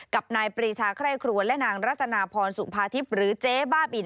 กับนายปรีชาไคร่ครัวและนางรัตนาพรสุภาทิพย์หรือเจ๊บ้าบิน